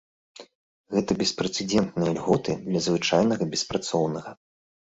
Гэта беспрэцэдэнтныя льготы для звычайнага беспрацоўнага.